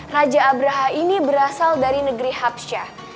raja abraha ini berasal dari negeri hapsyah